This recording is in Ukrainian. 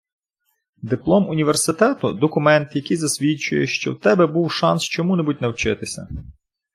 Диплом університету – документ, який засвідчує, що в тебе був шанс чому-небудь навчитися.